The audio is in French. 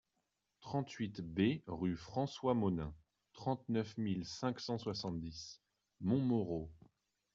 trente-huit B rue François Monin, trente-neuf mille cinq cent soixante-dix Montmorot